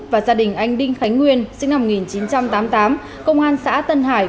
và gia đình anh đinh khánh nguyên sinh năm một nghìn chín trăm tám mươi tám công an xã tân hải